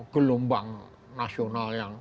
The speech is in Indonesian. gelombang nasional yang